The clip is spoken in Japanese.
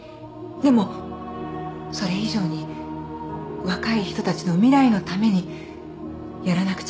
でもそれ以上に若い人たちの未来のためにやらなくちゃいけないことがある。